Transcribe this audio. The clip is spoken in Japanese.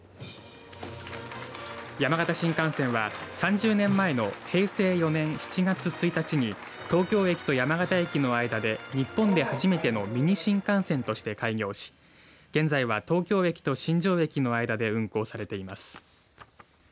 山形新幹線は３０年前の平成４年７月１日に東京駅と山形駅の間で日本で初めてのミニ新幹線として開業し現在は東京駅と新庄駅の間で運行されています。